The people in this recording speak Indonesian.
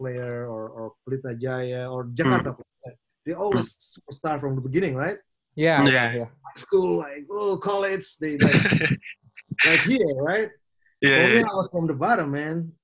atau berita jaya atau jakarta mereka selalu mulai dari awal kan